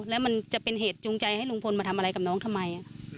แล้วมันจะเป็นเหตุจูงใจให้ลุงพลมาทำอะไรกับน้องทำไม